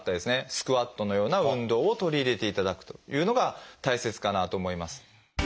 スクワットのような運動を取り入れていただくというのが大切かなと思います。